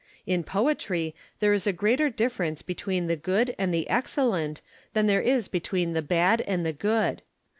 In poetry, there is a greater difi'erence between the good and the excellent than there is between the bad and the good.